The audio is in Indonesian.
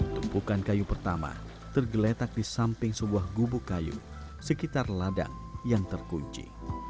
tumpukan kayu pertama tergeletak di samping sebuah gubuk kayu sekitar ladang yang terkunci